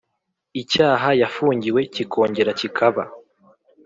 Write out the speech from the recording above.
icyaha yafungiwe kikongera kikaba